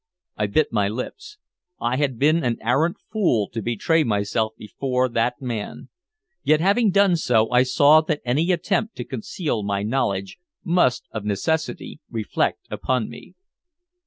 I bit my lips. I had been an arrant fool to betray myself before that man. Yet having done so, I saw that any attempt to conceal my knowledge must of necessity reflect upon me.